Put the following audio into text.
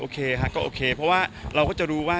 ก็โอเคเพราะว่าเราก็จะรู้ว่า